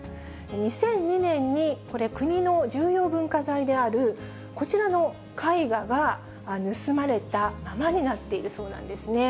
２００２年にこれ、国の重要文化財である、こちらの絵画が盗まれたままになっているそうなんですね。